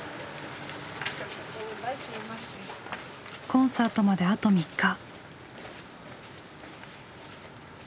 コンサートまであと３日。